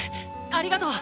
ありがとう！